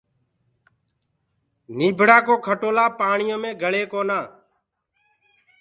نيٚڀڙآ ڪو کٽولآ پآڻيو مي گݪي ڪونآ